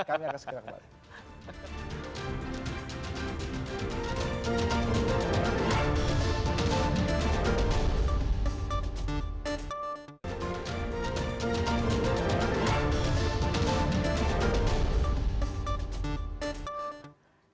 saya akan sekarang balik